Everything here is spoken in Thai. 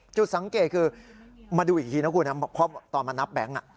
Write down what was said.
จุดสังเกตคือมาดูอีกทีนะคุณนะเพราะตอนมานับแบงค์